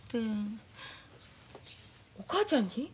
お母ちゃんに？